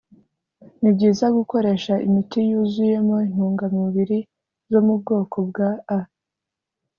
ni byiza gukoresha imiti yuzuyemo intungamubiri zo mu bwoko bwa A